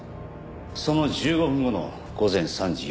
その１５分後の午前３時４５分